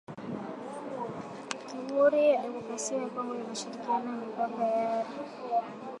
Jamuhuri ya Demokrasia ya Kongo inashirikiana mipaka na nchi zote za Afrika Mashariki isipokuwa Kenya